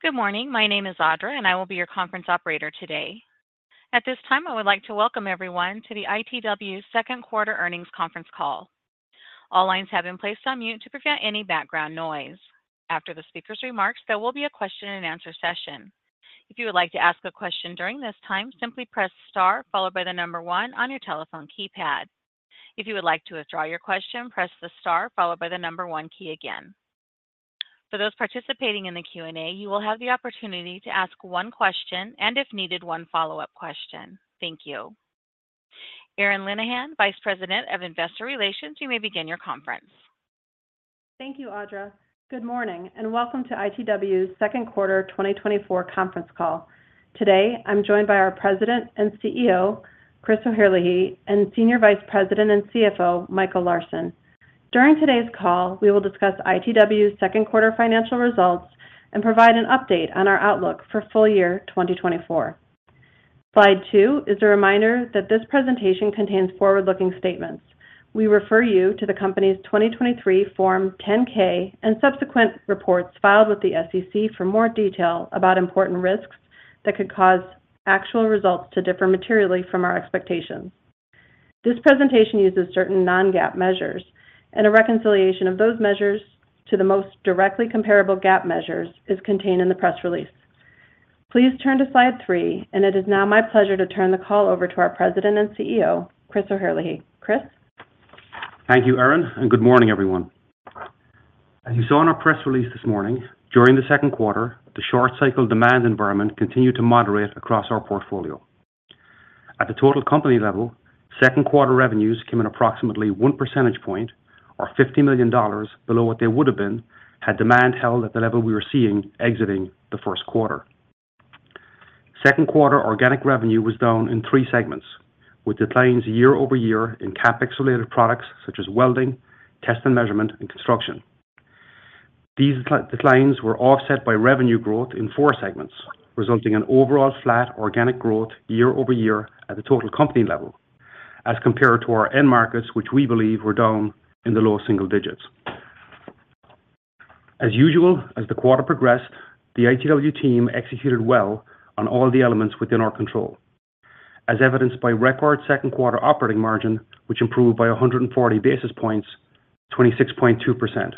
Good morning. My name is Audra, and I will be your conference operator today. At this time, I would like to welcome everyone to the ITW second quarter earnings conference call. All lines have been placed on mute to prevent any background noise. After the speaker's remarks, there will be a question-and-answer session. If you would like to ask a question during this time, simply press star, followed by the number one on your telephone keypad. If you would like to withdraw your question, press the star followed by the number one key again. For those participating in the Q&A, you will have the opportunity to ask one question and, if needed, one follow-up question. Thank you. Erin Linnihan, Vice President of Investor Relations, you may begin your conference. Thank you, Audra. Good morning, and welcome to ITW's second quarter 2024 conference call. Today, I'm joined by our President and CEO, Chris O'Herlihy, and Senior Vice President and CFO, Michael Larsen. During today's call, we will discuss ITW's second quarter financial results and provide an update on our outlook for full-year 2024. Slide two is a reminder that this presentation contains forward-looking statements. We refer you to the company's 2023 Form 10-K and subsequent reports filed with the SEC for more detail about important risks that could cause actual results to differ materially from our expectations. This presentation uses certain non-GAAP measures, and a reconciliation of those measures to the most directly comparable GAAP measures is contained in the press release. Please turn to slide three, and it is now my pleasure to turn the call over to our President and CEO, Chris O'Herlihy. Chris? Thank you, Erin, and good morning, everyone. As you saw in our press release this morning, during the second quarter, the short cycle demand environment continued to moderate across our portfolio. At the total company level, second quarter revenues came in approximately 1 percentage point or $50 million below what they would have been, had demand held at the level we were seeing exiting the first quarter. Second quarter organic revenue was down in 3 segments, with declines year-over-year in CapEx-related products such as Welding, Test & Measurement, and Construction. These declines were offset by revenue growth in 4 segments, resulting in overall flat organic growth year-over-year at the total company level, as compared to our end markets, which we believe were down in the low single digits. As usual, as the quarter progressed, the ITW team executed well on all the elements within our control, as evidenced by record second quarter operating margin, which improved by 100 basis points, 26.2%,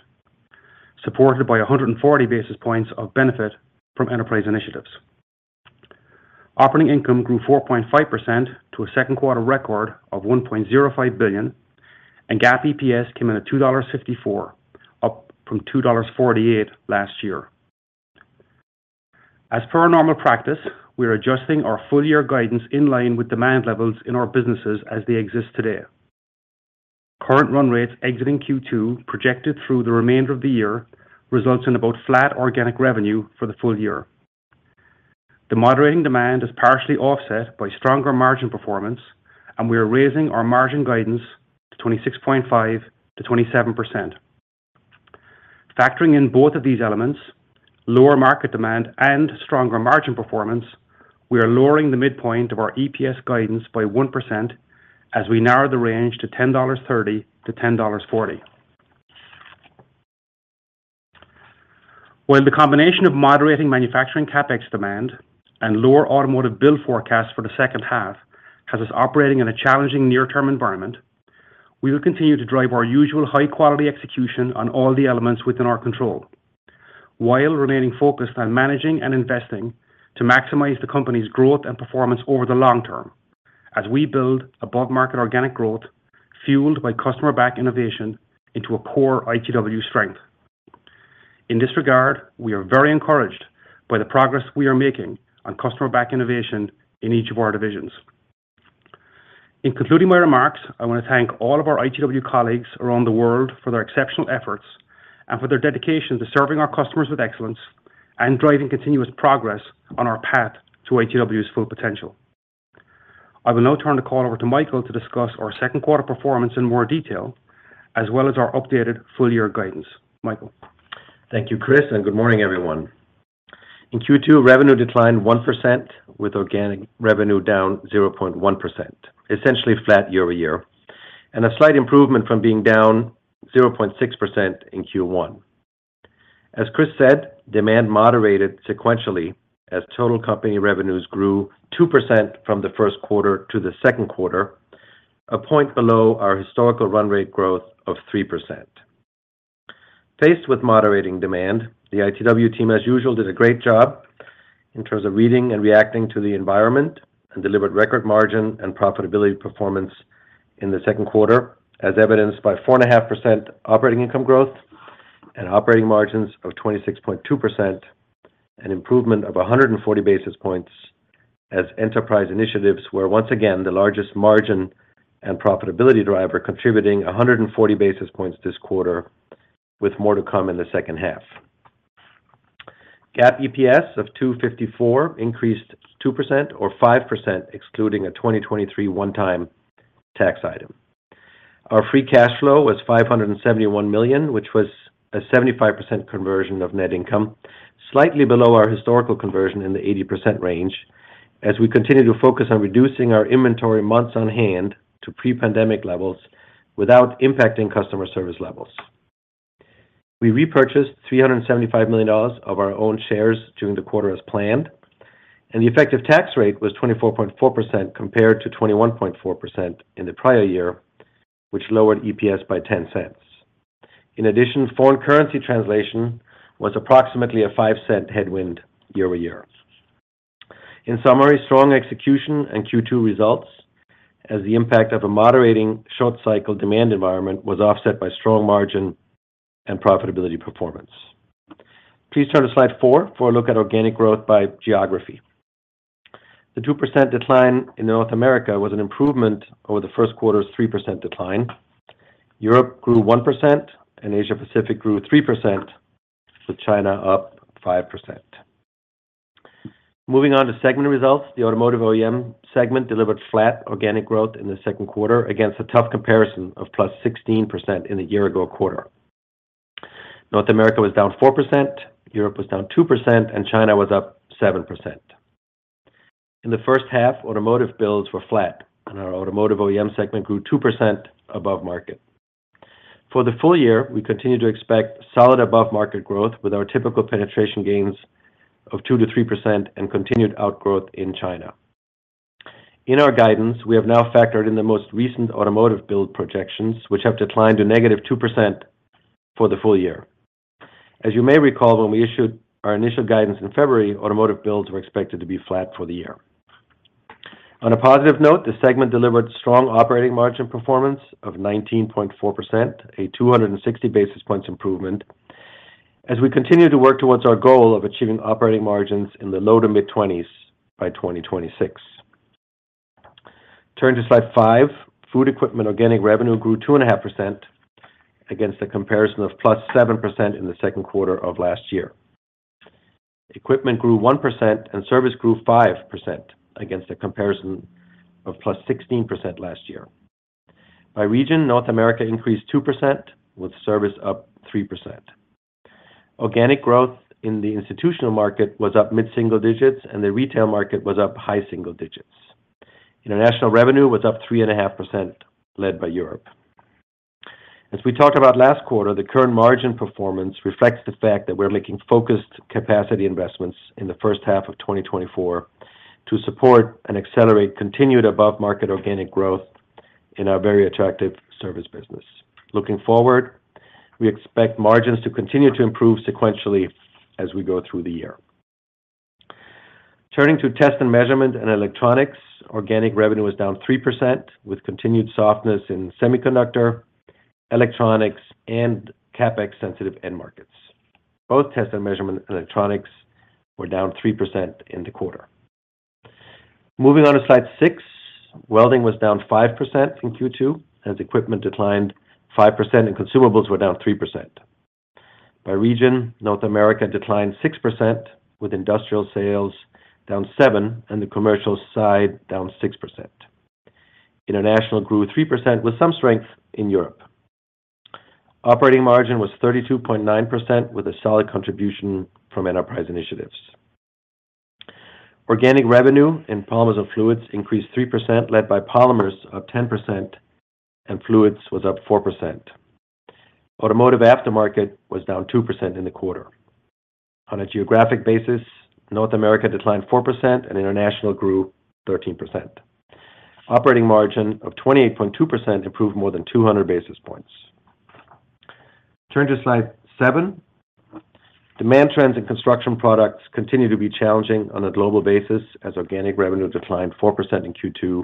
supported by 100 basis points of benefit from enterprise initiatives. Operating income grew 4.5% to a second quarter record of $1.05 billion, and GAAP EPS came in at $2.54, up from $2.48 last year. As per our normal practice, we are adjusting our full-year guidance in line with demand levels in our businesses as they exist today. Current run rates exiting Q2, projected through the remainder of the year, results in about flat organic revenue for the full year. The moderating demand is partially offset by stronger margin performance, and we are raising our margin guidance to 26.5%-27%. Factoring in both of these elements, lower market demand and stronger margin performance, we are lowering the midpoint of our EPS guidance by 1% as we narrow the range to $10.30-$10.40. While the combination of moderating manufacturing CapEx demand and lower automotive build forecasts for the second half has us operating in a challenging near-term environment, we will continue to drive our usual high-quality execution on all the elements within our control, while remaining focused on managing and investing to maximize the company's growth and performance over the long term, as we build above-market organic growth fueled by Customer-Back Innovation into a core ITW strength. In this regard, we are very encouraged by the progress we are making on Customer-Back Innovation in each of our divisions. In concluding my remarks, I want to thank all of our ITW colleagues around the world for their exceptional efforts and for their dedication to serving our customers with excellence and driving continuous progress on our path to ITW's full potential. I will now turn the call over to Michael to discuss our second quarter performance in more detail, as well as our updated full-year guidance. Michael? Thank you, Chris, and good morning, everyone. In Q2, revenue declined 1%, with organic revenue down 0.1%, essentially flat year-over-year, and a slight improvement from being down 0.6% in Q1. As Chris said, demand moderated sequentially as total company revenues grew 2% from the first quarter to the second quarter, a point below our historical run rate growth of 3%. Faced with moderating demand, the ITW team, as usual, did a great job in terms of reading and reacting to the environment and delivered record margin and profitability performance in the second quarter, as evidenced by 4.5% operating income growth and operating margins of 26.2%, an improvement of 140 basis points, as enterprise initiatives were once again the largest margin and profitability driver, contributing 140 basis points this quarter, with more to come in the second half. GAAP EPS of $2.54 increased 2% or 5%, excluding a 2023 one-time tax item. Our free cash flow was $571 million, which was a 75% conversion of net income, slightly below our historical conversion in the 80% range-... As we continue to focus on reducing our inventory months on hand to pre-pandemic levels without impacting customer service levels. We repurchased $375 million of our own shares during the quarter as planned, and the effective tax rate was 24.4%, compared to 21.4% in the prior year, which lowered EPS by $0.10. In addition, foreign currency translation was approximately a $0.05 headwind year-over-year. In summary, strong execution and Q2 results as the impact of a moderating short cycle demand environment was offset by strong margin and profitability performance. Please turn to slide four for a look at organic growth by geography. The 2% decline in North America was an improvement over the first quarter's 3% decline. Europe grew 1% and Asia Pacific grew 3%, with China up 5%. Moving on to segment results. The Automotive OEM segment delivered flat organic growth in the second quarter against a tough comparison of +16% in the year ago quarter. North America was down 4%, Europe was down 2%, and China was up 7%. In the first half, automotive builds were flat, and our Automotive OEM segment grew 2% above market. For the full year, we continue to expect solid above-market growth with our typical penetration gains of 2%-3% and continued outgrowth in China. In our guidance, we have now factored in the most recent automotive build projections, which have declined to -2% for the full year. As you may recall, when we issued our initial guidance in February, automotive builds were expected to be flat for the year. On a positive note, the segment delivered strong operating margin performance of 19.4%, a 260 basis points improvement, as we continue to work towards our goal of achieving operating margins in the low-to-mid 20s by 2026. Turn to slide five. Food Equipment organic revenue grew 2.5% against a comparison of +7% in the second quarter of last year. Equipment grew 1% and service grew 5% against a comparison of +16% last year. By region, North America increased 2%, with service up 3%. Organic growth in the institutional market was up mid-single digits, and the retail market was up high single digits. International revenue was up 3.5%, led by Europe. As we talked about last quarter, the current margin performance reflects the fact that we're making focused capacity investments in the first half of 2024 to support and accelerate continued above-market organic growth in our very attractive service business. Looking forward, we expect margins to continue to improve sequentially as we go through the year. Turning to Test & Measurement and Electronics. Organic revenue was down 3%, with continued softness in semiconductor, electronics, and CapEx-sensitive end markets. Both Test & Measurement and Electronics were down 3% in the quarter. Moving on to slide six. Welding was down 5% in Q2, as equipment declined 5% and consumables were down 3%. By region, North America declined 6%, with industrial sales down 7%, and the commercial side down 6%. International grew 3%, with some strength in Europe. Operating margin was 32.9%, with a solid contribution from enterprise initiatives. Organic revenue in Polymers & Fluids increased 3%, led by Polymers up 10%, and Fluids was up 4%. Automotive aftermarket was down 2% in the quarter. On a geographic basis, North America declined 4% and international grew 13%. Operating margin of 28.2% improved more than 200 basis points. Turn to slide seven. Demand trends in Construction Products continue to be challenging on a global basis, as organic revenue declined 4% in Q2,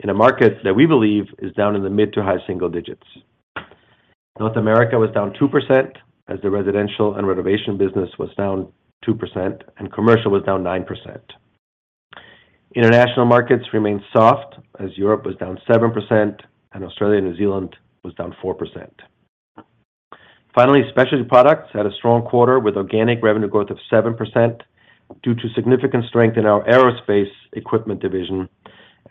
in a market that we believe is down in the mid to high single digits. North America was down 2%, as the residential and renovation business was down 2%, and commercial was down 9%. International markets remained soft, as Europe was down 7% and Australia and New Zealand was down 4%. Finally, Specialty Products had a strong quarter, with organic revenue growth of 7% due to significant strength in our aerospace equipment division,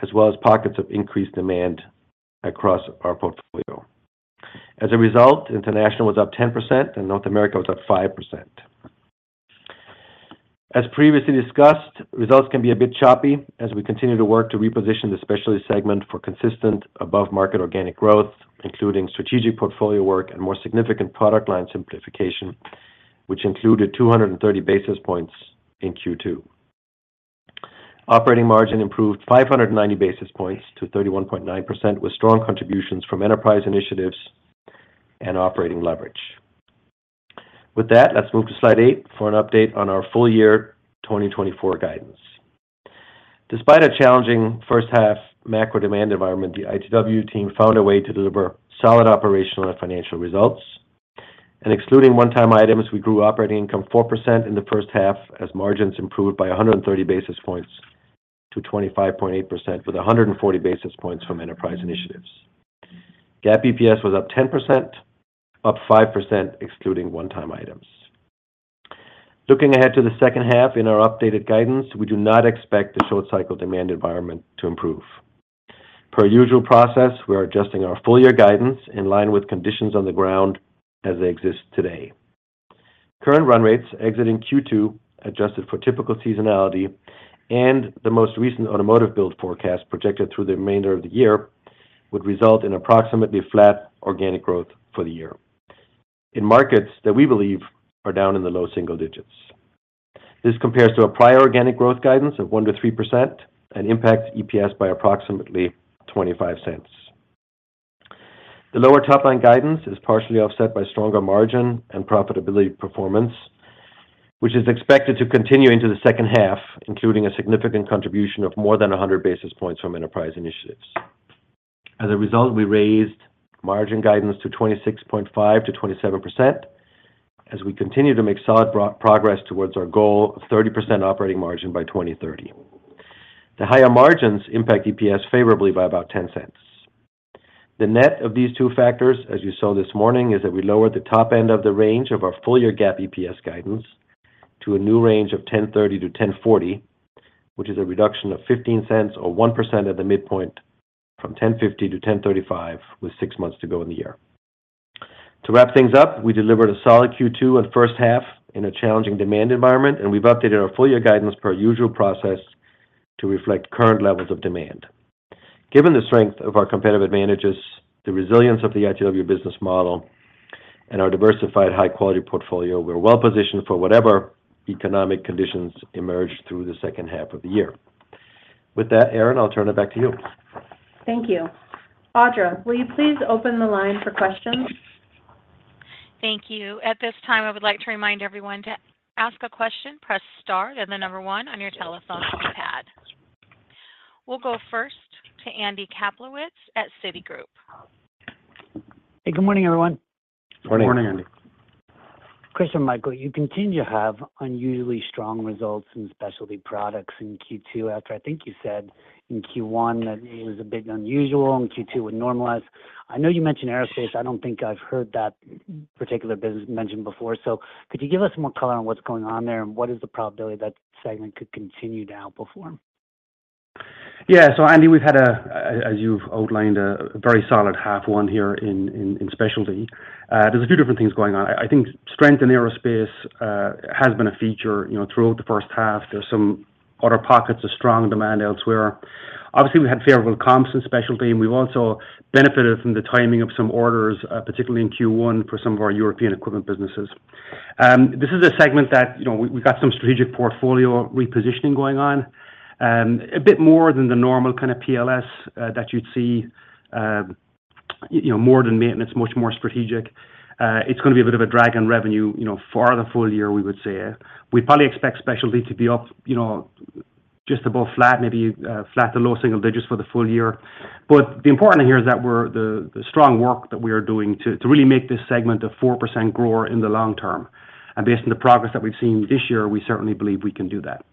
as well as pockets of increased demand across our portfolio. As a result, international was up 10% and North America was up 5%. As previously discussed, results can be a bit choppy as we continue to work to reposition the specialty segment for consistent above-market organic growth, including strategic portfolio work and more significant product line simplification, which included 230 basis points in Q2. Operating margin improved 590 basis points to 31.9%, with strong contributions from enterprise initiatives and operating leverage. With that, let's move to slide eight for an update on our full-year 2024 guidance. Despite a challenging first half macro demand environment, the ITW team found a way to deliver solid operational and financial results. Excluding one-time items, we grew operating income 4% in the first half, as margins improved by 130 basis points to 25.8%, with 140 basis points from enterprise initiatives. GAAP EPS was up 10%, up 5% excluding one-time items. Looking ahead to the second half in our updated guidance, we do not expect the short cycle demand environment to improve. Per usual process, we are adjusting our full-year guidance in line with conditions on the ground as they exist today. Current run rates exiting Q2, adjusted for typical seasonality and the most recent automotive build forecast projected through the remainder of the year, would result in approximately flat organic growth for the year. In markets that we believe are down in the low single digits. This compares to a prior organic growth guidance of 1%-3% and impacts EPS by approximately $0.25. The lower top line guidance is partially offset by stronger margin and profitability performance, which is expected to continue into the second half, including a significant contribution of more than 100 basis points from enterprise initiatives. As a result, we raised margin guidance to 26.5%-27%, as we continue to make solid progress towards our goal of 30% operating margin by 2030. The higher margins impact EPS favorably by about $0.10. The net of these two factors, as you saw this morning, is that we lowered the top end of the range of our full-year GAAP EPS guidance to a new range of $10.30-$10.40, which is a reduction of $0.15 or 1% at the midpoint from $10.50-$10.35, with six months to go in the year. To wrap things up, we delivered a solid Q2 and first half in a challenging demand environment, and we've updated our full-year guidance per our usual process to reflect current levels of demand. Given the strength of our competitive advantages, the resilience of the ITW business model, and our diversified high-quality portfolio, we're well positioned for whatever economic conditions emerge through the second half of the year. With that, Erin, I'll turn it back to you. Thank you. Audra, will you please open the line for questions? Thank you. At this time, I would like to remind everyone, to ask a question, press star and the number one on your telephone pad. We'll go first to Andy Kaplowitz at Citigroup. Hey, good morning, everyone. Good morning. Good morning, Andy. Chris and Michael, you continue to have unusually strong results in Specialty Products in Q2, after, I think you said in Q1 that it was a bit unusual, and Q2 would normalize. I know you mentioned aerospace. I don't think I've heard that particular business mentioned before. So could you give us more color on what's going on there, and what is the probability that segment could continue to outperform? Yeah. So, Andy, we've had a—as you've outlined, a very solid half one here in Specialty. There's a few different things going on. I think strength in aerospace has been a feature, you know, throughout the first half. There's some other pockets of strong demand elsewhere. Obviously, we had favorable comps in Specialty, and we've also benefited from the timing of some orders, particularly in Q1, for some of our European equipment businesses. This is a segment that, you know, we've got some strategic portfolio repositioning going on, a bit more than the normal kind of PLS that you'd see, you know, more than maintenance, much more strategic. It's gonna be a bit of a drag on revenue, you know, for the full year, we would say. We probably expect Specialty to be up, you know, just above flat, maybe, flat to low single digits for the full year. But the important thing here is that we're the strong work that we are doing to really make this segment a 4% grower in the long term. And based on the progress that we've seen this year, we certainly believe we can do that.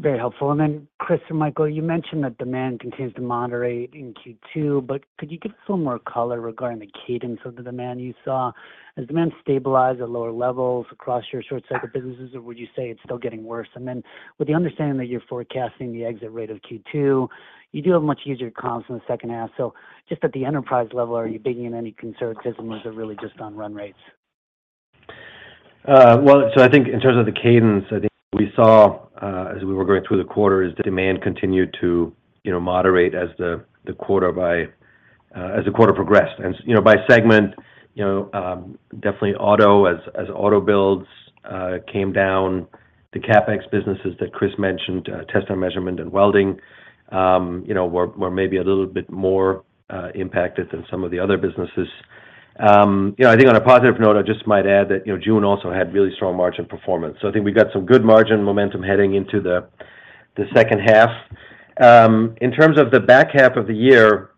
Very helpful. Chris and Michael, you mentioned that demand continues to moderate in Q2, but could you give us a little more color regarding the cadence of the demand you saw? Has demand stabilized at lower levels across your short cycle businesses, or would you say it's still getting worse? With the understanding that you're forecasting the exit rate of Q2, you do have much easier comps in the second half. Just at the enterprise level, are you baking in any conservatism, or is it really just on run rates? Well, so I think in terms of the cadence, I think we saw, as we were going through the quarter, the demand continued to, you know, moderate as the quarter progressed. And, you know, by segment, you know, definitely Auto as auto builds came down. The CapEx businesses that Chris mentioned, Test & Measurement and Welding, you know, were maybe a little bit more impacted than some of the other businesses. You know, I think on a positive note, I just might add that, you know, June also had really strong margin performance. So I think we got some good margin momentum heading into the second half. In terms of the back half of the year,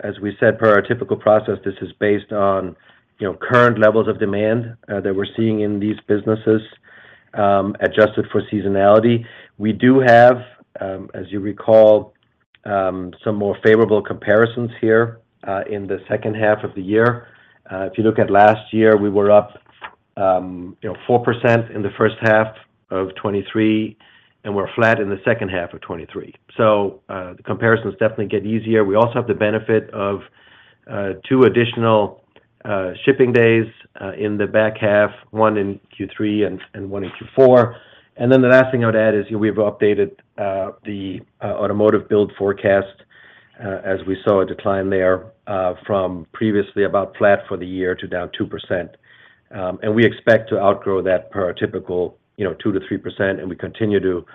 as we said, per our typical process, this is based on, you know, current levels of demand, that we're seeing in these businesses, adjusted for seasonality. We do have, as you recall, some more favorable comparisons here, in the second half of the year. If you look at last year, we were up, you know, 4% in the first half of 2023, and we're flat in the second half of 2023. So, the comparisons definitely get easier. We also have the benefit of, two additional, shipping days, in the back half, one in Q3 and one in Q4. And then the last thing I would add is we've updated the automotive build forecast as we saw a decline there from previously about flat for the year to down 2%. And we expect to outgrow that per our typical, you know, 2%-3%, and we continue to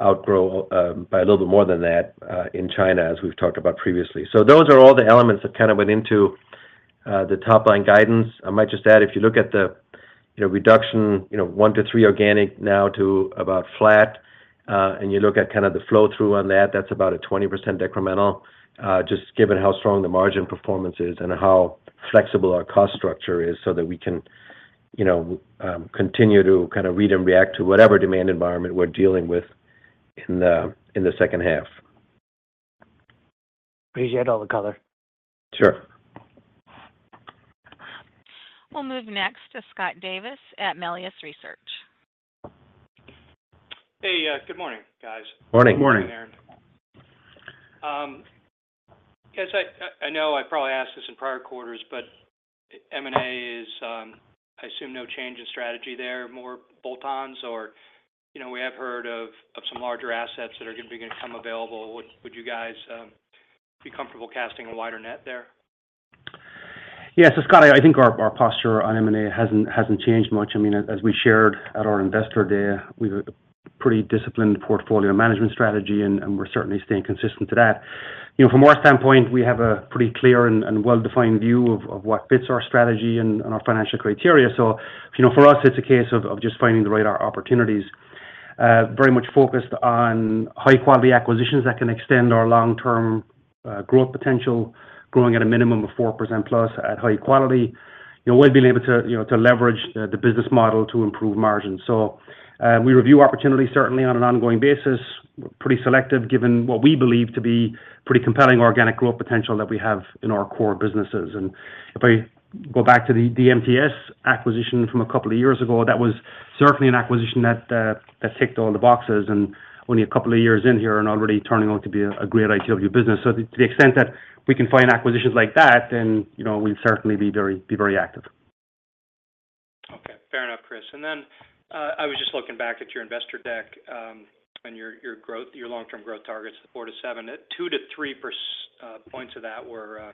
outgrow by a little bit more than that in China, as we've talked about previously. So those are all the elements that kind of went into the top line guidance. I might just add, if you look at the, you know, reduction, you know, 1%-3% organic now to about flat, and you look at kind of the flow-through on that, that's about a 20% incremental, just given how strong the margin performance is and how flexible our cost structure is so that we can, you know, continue to kind of read and react to whatever demand environment we're dealing with in the, in the second half. Appreciate all the color. Sure. We'll move next to Scott Davis at Melius Research. Hey, good morning, guys. Morning. Morning.... Yes, I, I know I probably asked this in prior quarters, but M&A is, I assume no change in strategy there, more bolt-ons or, you know, we have heard of, of some larger assets that are going to be going to come available. Would, would you guys, be comfortable casting a wider net there? Yeah. So, Scott, I think our posture on M&A hasn't changed much. I mean, as we shared at our Investor Day, we have a pretty disciplined portfolio management strategy, and we're certainly staying consistent to that. You know, from our standpoint, we have a pretty clear and well-defined view of what fits our strategy and our financial criteria. So, you know, for us, it's a case of just finding the right opportunities, very much focused on high-quality acquisitions that can extend our long-term growth potential, growing at a minimum of 4%+ at high quality. You know, we've been able to, you know, to leverage the business model to improve margins. So, we review opportunities certainly on an ongoing basis. We're pretty selective, given what we believe to be pretty compelling organic growth potential that we have in our core businesses. And if I go back to the MTS acquisition from a couple of years ago, that was certainly an acquisition that ticked all the boxes, and only a couple of years in here and already turning out to be a great ITW business. So to the extent that we can find acquisitions like that, then, you know, we'd certainly be very active. Okay. Fair enough, Chris. And then, I was just looking back at your investor deck, and your growth, your long-term growth targets, the 4%-7%. At 2-3 percentage points of that were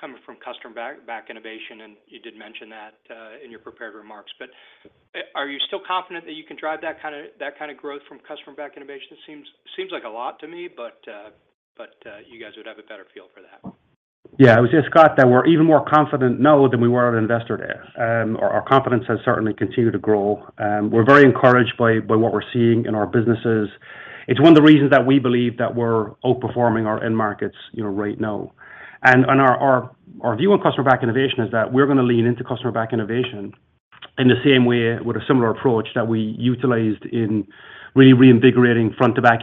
coming from Customer-Back Innovation, and you did mention that in your prepared remarks. But, are you still confident that you can drive that kind of growth from Customer-Back Innovation? It seems like a lot to me, but, but you guys would have a better feel for that. Yeah, I would say, Scott, that we're even more confident now than we were at Investor Day. Our, our confidence has certainly continued to grow, and we're very encouraged by, by what we're seeing in our businesses. It's one of the reasons that we believe that we're outperforming our end markets, you know, right now. And, and our, our, our view on Customer-Back Innovation is that we're gonna lean into Customer-Back Innovation in the same way with a similar approach that we utilized in really reinvigorating 80/20 Front-to-Back,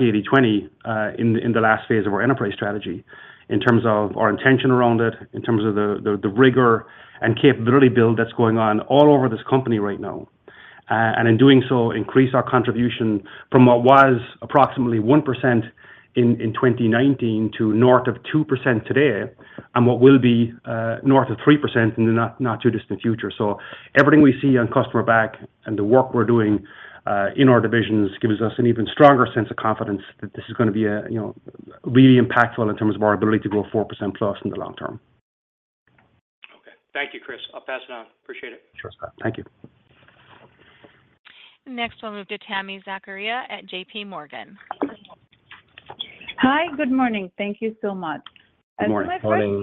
in, in the last phase of our enterprise strategy, in terms of our intention around it, in terms of the, the, the rigor and capability build that's going on all over this company right now. and in doing so, increase our contribution from what was approximately 1% in 2019 to north of 2% today, and what will be north of 3% in the not too distant future. So everything we see on Customer-Back and the work we're doing in our divisions gives us an even stronger sense of confidence that this is gonna be a, you know, really impactful in terms of our ability to grow 4%+ in the long term. Okay. Thank you, Chris. I'll pass it on. Appreciate it. Sure, Scott. Thank you. Next, we'll move to Tami Zakaria at JPMorgan. Hi, good morning. Thank you so much. Good morning.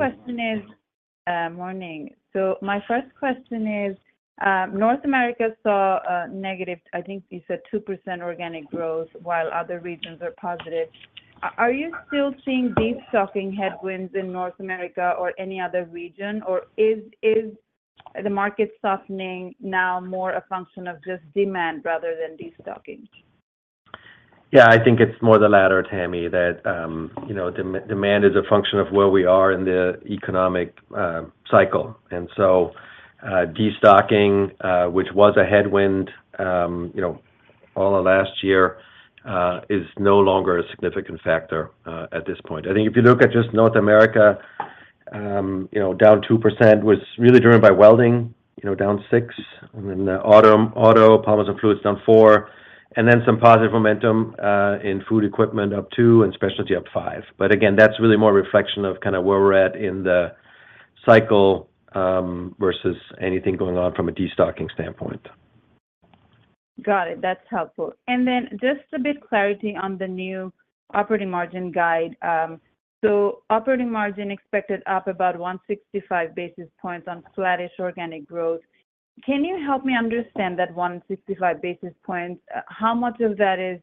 Morning. So my first question is, North America saw a negative, I think you said 2% organic growth, while other regions are positive. Are you still seeing destocking headwinds in North America or any other region, or is the market softening now more a function of just demand rather than destocking? Yeah, I think it's more the latter, Tami, that, you know, demand is a function of where we are in the economic cycle. And so, destocking, which was a headwind, you know, all of last year, is no longer a significant factor, at this point. I think if you look at just North America, you know, down 2% was really driven by Welding, you know, down 6%, and then the Auto, Polymers and Fluids down 4%, and then some positive momentum, in Food Equipment up 2%, and Specialty up 5%. But again, that's really more a reflection of kind of where we're at in the cycle, versus anything going on from a destocking standpoint. Got it. That's helpful. And then just a bit clarity on the new operating margin guide. So operating margin expected up about 165 basis points on flattish organic growth. Can you help me understand that 165 basis points? How much of that is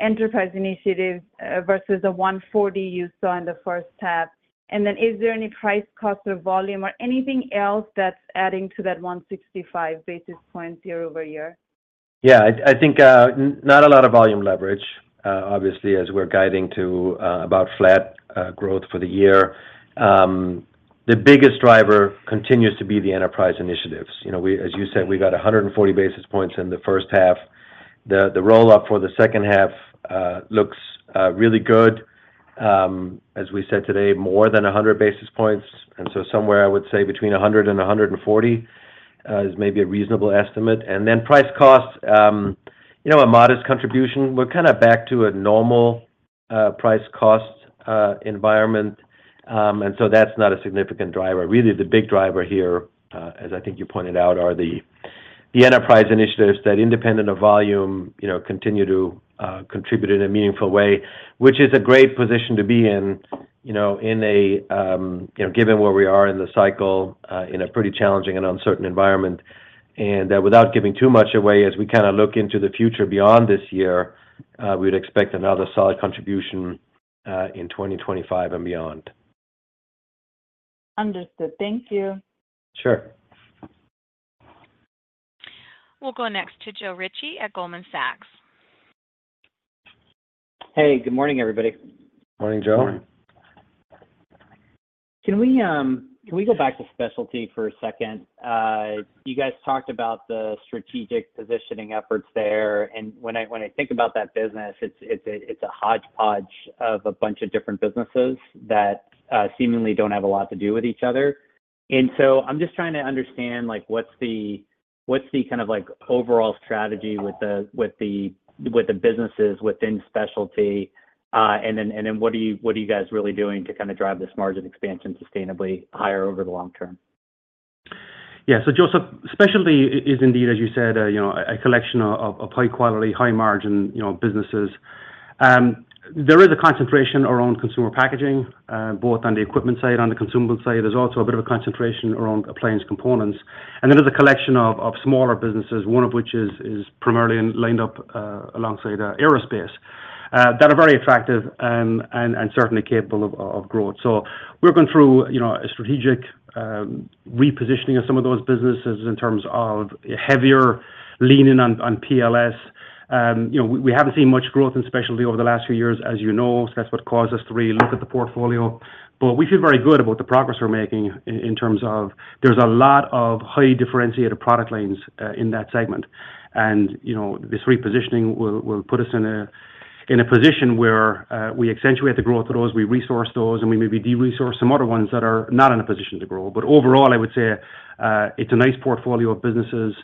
enterprise initiative versus the 140 you saw in the first half? And then is there any price, cost, or volume or anything else that's adding to that 165 basis points year-over-year? Yeah, I, I think, not a lot of volume leverage, obviously, as we're guiding to, about flat, growth for the year. The biggest driver continues to be the enterprise initiatives. You know, we—as you said, we got 140 basis points in the first half. The roll-up for the second half looks really good. As we said today, more than 100 basis points, and so somewhere, I would say between 100 and 140 is maybe a reasonable estimate. And then price costs, you know, a modest contribution. We're kind of back to a normal price cost environment, and so that's not a significant driver. Really, the big driver here, as I think you pointed out, are the, the Enterprise initiatives that, independent of volume, you know, continue to contribute in a meaningful way, which is a great position to be in, you know, in a, given where we are in the cycle, in a pretty challenging and uncertain environment. And, without giving too much away, as we kind of look into the future beyond this year, we'd expect another solid contribution, in 2025 and beyond. Understood. Thank you. Sure. We'll go next to Joe Ritchie at Goldman Sachs. Hey, good morning, everybody. Morning, Joe. Morning.... Can we, can we go back to Specialty for a second? You guys talked about the strategic positioning efforts there, and when I, when I think about that business, it's, it's a, it's a hodgepodge of a bunch of different businesses that, seemingly don't have a lot to do with each other. And so I'm just trying to understand, like, what's the, what's the kind of like, overall strategy with the, with the, with the businesses within Specialty, and then, and then what are you, what are you guys really doing to kinda drive this margin expansion sustainably higher over the long term? Yeah. So Joseph, Specialty is indeed, as you said, you know, a collection of high quality, high margin, you know, businesses. There is a concentration around consumer packaging, both on the equipment side, on the consumable side. There's also a bit of a concentration around appliance components. And then there's a collection of smaller businesses, one of which is primarily lined up alongside aerospace that are very attractive, and certainly capable of growth. So we're going through, you know, a strategic repositioning of some of those businesses in terms of heavier leaning on PLS. You know, we haven't seen much growth in Specialty over the last few years, as you know, so that's what caused us to relook at the portfolio. But we feel very good about the progress we're making in terms of there's a lot of highly differentiated product lines in that segment. And, you know, this repositioning will put us in a position where we accentuate the growth of those, we resource those, and we maybe de-resource some other ones that are not in a position to grow. But overall, I would say it's a nice portfolio of businesses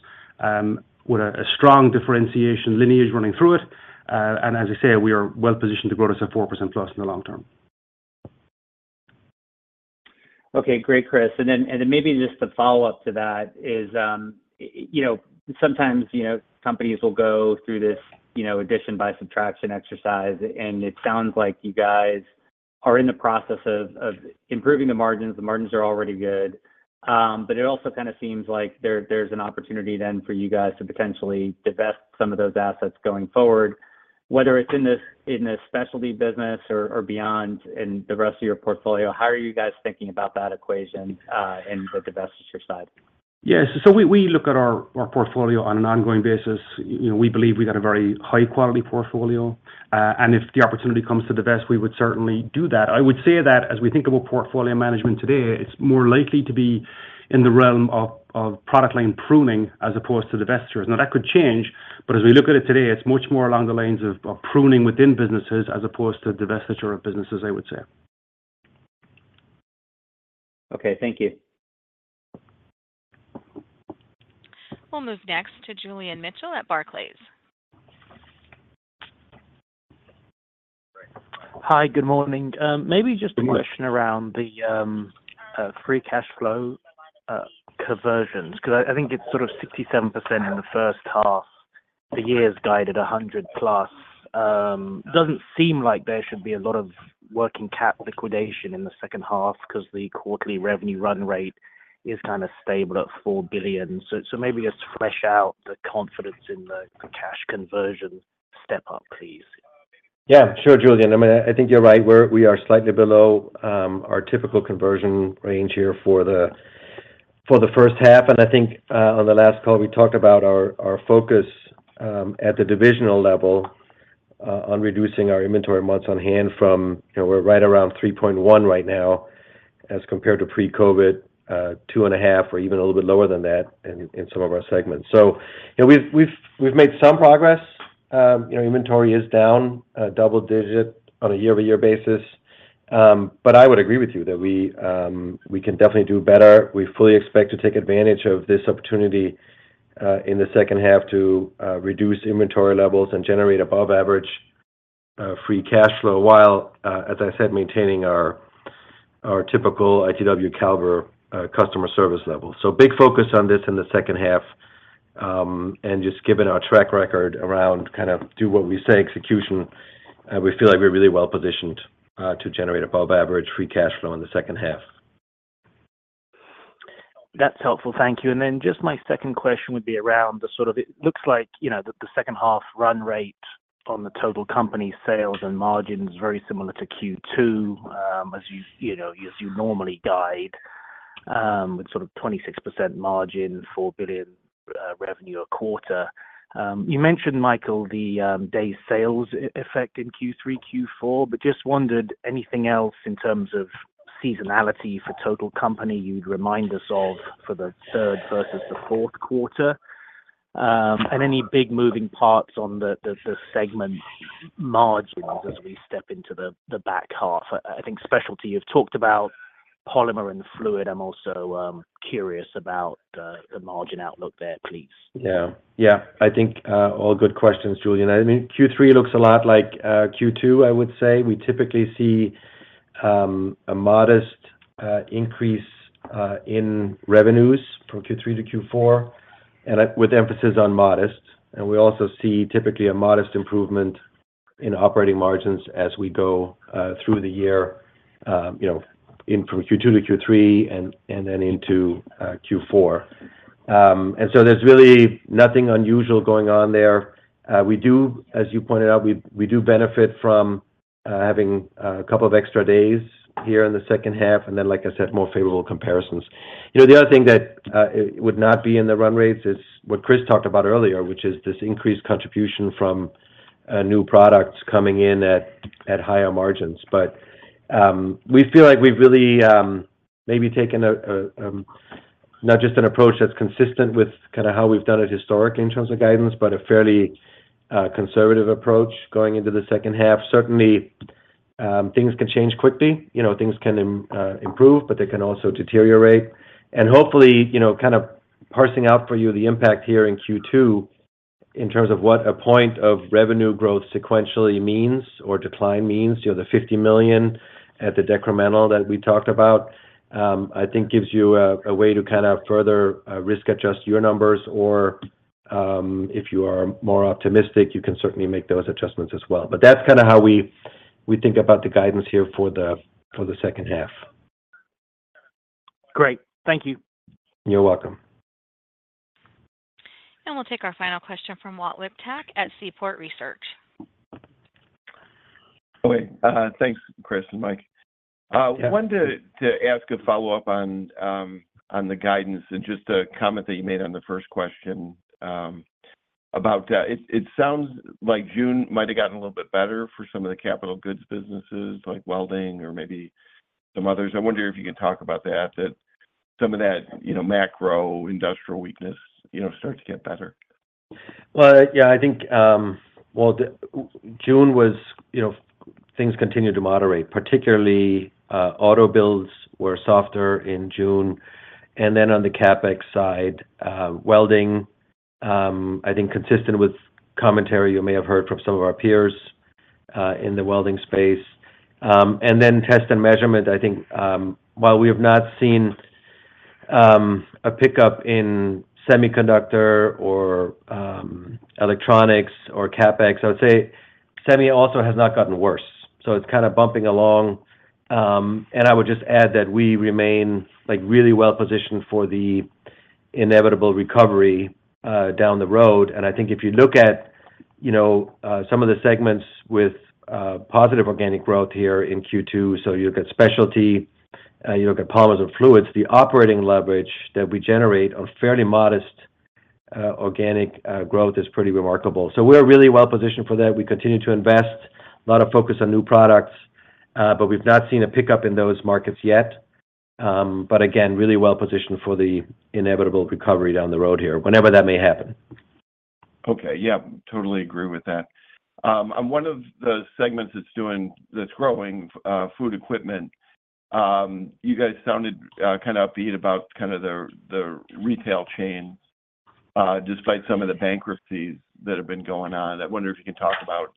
with a strong differentiation lineage running through it. And as I say, we are well positioned to grow this at 4%+ in the long term. Okay, great, Chris. And then maybe just a follow-up to that is, you know, sometimes, you know, companies will go through this, you know, addition by subtraction exercise, and it sounds like you guys are in the process of improving the margins. The margins are already good, but it also kind of seems like there's an opportunity then for you guys to potentially divest some of those assets going forward, whether it's in this Specialty business or beyond in the rest of your portfolio. How are you guys thinking about that equation, and the divestiture side? Yes. So we look at our portfolio on an ongoing basis. You know, we believe we've got a very high-quality portfolio, and if the opportunity comes to divest, we would certainly do that. I would say that as we think about portfolio management today, it's more likely to be in the realm of product line pruning as opposed to divestitures. Now, that could change, but as we look at it today, it's much more along the lines of pruning within businesses as opposed to divestiture of businesses, I would say. Okay, thank you. We'll move next to Julian Mitchell at Barclays. Hi, good morning. Maybe just- Good morning... a question around the free cash flow conversions, because I think it's sort of 67% in the first half. The year's guide at 100%+. Doesn't seem like there should be a lot of working cap liquidation in the second half because the quarterly revenue run rate is kind of stable at $4 billion. So maybe just flesh out the confidence in the cash conversion step up, please. Yeah, sure, Julian. I mean, I think you're right. We are slightly below our typical conversion range here for the first half. I think on the last call, we talked about our focus at the divisional level on reducing our inventory months on hand from, you know, we're right around 3.1 right now, as compared to pre-COVID, 2.5 or even a little bit lower than that in some of our segments. So, you know, we've made some progress. You know, inventory is down double digits on a year-over-year basis. But I would agree with you that we can definitely do better. We fully expect to take advantage of this opportunity in the second half to reduce inventory levels and generate above average free cash flow, while as I said, maintaining our typical ITW caliber customer service level. So big focus on this in the second half, and just given our track record around kind of do what we say, execution, we feel like we're really well positioned to generate above average free cash flow in the second half. That's helpful. Thank you. And then just my second question would be around the sort of. It looks like, you know, the second half run rate on the total company sales and margins, very similar to Q2, as you, you know, as you normally guide, with sort of 26% margin, $4 billion revenue a quarter. You mentioned, Michael, the days sales effect in Q3, Q4, but just wondered, anything else in terms of seasonality for total company you'd remind us of for the third versus the fourth quarter? And any big moving parts on the segment margins as we step into the back half? I think Specialty, you've talked about Polymer and Fluid. I'm also curious about the margin outlook there, please. Yeah. Yeah, I think, all good questions, Julian. I mean, Q3 looks a lot like, Q2, I would say. We typically see, a modest, increase, in revenues from Q3 to Q4, and, with emphasis on modest. And we also see typically a modest improvement in operating margins as we go, through the year, you know, in from Q2 to Q3 and, and then into, Q4. And so there's really nothing unusual going on there. We do, as you pointed out, we, we do benefit from, having a couple of extra days here in the second half, and then, like I said, more favorable comparisons. You know, the other thing that, would not be in the run rates is what Chris talked about earlier, which is this increased contribution from-... New products coming in at higher margins. But we feel like we've really maybe taken a not just an approach that's consistent with kind of how we've done it historically in terms of guidance, but a fairly conservative approach going into the second half. Certainly, things can change quickly. You know, things can improve, but they can also deteriorate. And hopefully, you know, kind of parsing out for you the impact here in Q2, in terms of what a point of revenue growth sequentially means or decline means, you know, the $50 million at the decremental that we talked about, I think gives you a way to kind of further risk-adjust your numbers. Or, if you are more optimistic, you can certainly make those adjustments as well. That's kind of how we, we think about the guidance here for the, for the second half. Great. Thank you. You're welcome. We'll take our final question from Walt Liptak at Seaport Research. Okay. Thanks, Chris and Mike. Wanted to ask a follow-up on the guidance and just a comment that you made on the first question about. It sounds like June might have gotten a little bit better for some of the capital goods businesses, like Welding or maybe some others. I wonder if you can talk about that some of that, you know, macro industrial weakness, you know, start to get better. Well, yeah, I think, well, June was, you know, things continued to moderate, particularly, auto builds were softer in June. And then on the CapEx side, Welding, I think consistent with commentary you may have heard from some of our peers, in the welding space. And then Test & Measurement, I think, while we have not seen, a pickup in semiconductor or, electronics or CapEx, I would say semi also has not gotten worse. So it's kind of bumping along. And I would just add that we remain, like, really well positioned for the inevitable recovery, down the road. And I think if you look at, you know, some of the segments with positive organic growth here in Q2, so you look at Specialty, you look at Polymers and Fluids, the operating leverage that we generate a fairly modest organic growth is pretty remarkable. So we're really well positioned for that. We continue to invest, a lot of focus on new products, but we've not seen a pickup in those markets yet. But again, really well positioned for the inevitable recovery down the road here, whenever that may happen. Okay. Yeah, totally agree with that. And one of the segments that's growing, Food Equipment, you guys sounded kind of upbeat about kind of the retail chain despite some of the bankruptcies that have been going on. I wonder if you can talk about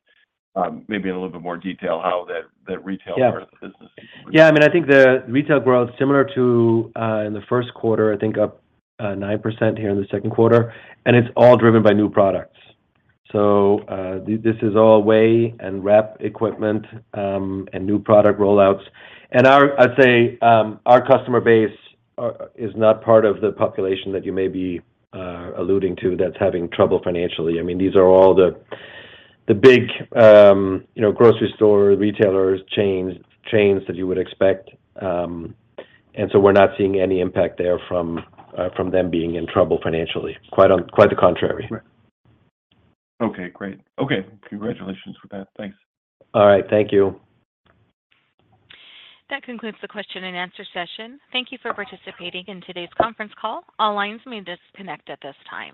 maybe in a little bit more detail how that retail part of the business- Yeah. I mean, I think the retail growth, similar to in the first quarter, I think up 9% here in the second quarter, and it's all driven by new products. So, this is all weigh and wrap equipment, and new product rollouts. And our—I'd say, our customer base is not part of the population that you may be alluding to that's having trouble financially. I mean, these are all the big, you know, grocery store retailers, chains, chains that you would expect. And so we're not seeing any impact there from them being in trouble financially. Quite the contrary. Right. Okay, great. Okay. Congratulations for that. Thanks. All right. Thank you. That concludes the question and answer session. Thank you for participating in today's conference call. All lines may disconnect at this time.